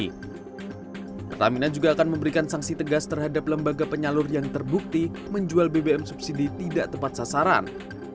pertamina juga akan memberikan sanksi tegas terhadap lembaga penyalur yang terbukti menjual bbm subsidi tidak tepat sasaran